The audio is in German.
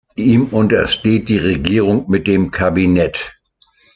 Ihm untersteht die Regierung mit dem Kabinett.